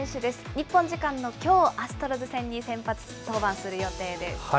日本時間のきょう、アストロズ戦に先発登板する予定です。